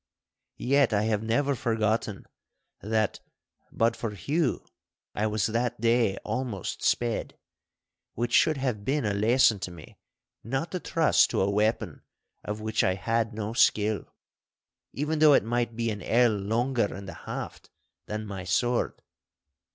Yet I have never forgotten that, but for Hugh, I was that day almost sped, which should have been a lesson to me not to trust to a weapon of which I had no skill, even though it might be an ell longer in the haft than my sword.